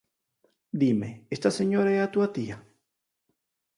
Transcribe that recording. Dime, esta señora é a túa tía?